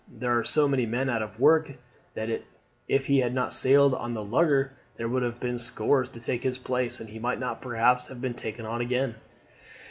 There are so many men out of work that if he had not sailed in the lugger there would have been scores to take his place, and he might not perhaps have been taken on again."